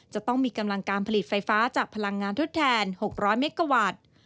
จะต้องมีกำลังการผลิตไฟฟ้าจากพลังงานทดแทน๖๐๐เมกาวัตต์